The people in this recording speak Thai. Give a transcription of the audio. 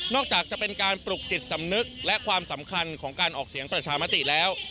อกจากจะเป็นการปลุกจิตสำนึกและความสำคัญของการออกเสียงประชามติแล้ว